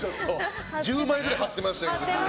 １０枚ぐらい貼ってましたね。